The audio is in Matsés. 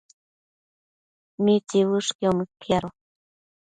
¿mitsiuëshquio mëquiado?